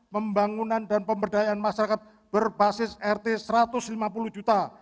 pembangunan dan pemberdayaan masyarakat berbasis rt satu ratus lima puluh juta